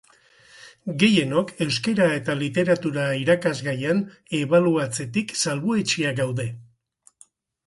Gehienok Euskara eta Literatura irakasgaian ebaluatzetik salbuetsiak gaude.